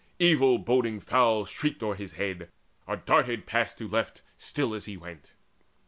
Evil boding fowl Shrieked o'er his head, or darted past to left, Still as he went.